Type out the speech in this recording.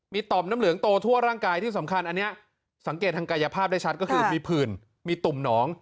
มีต่อมน้ำเหลืองโตทั่วร่างกายที่สำคัญอันนี้สังเกตทางกายภาพได้ชัดก็คือมีผื่นมีตุ่มหนอง